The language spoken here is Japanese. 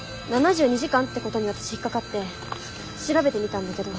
７２時間ってことに私引っ掛かって調べてみたんだけど。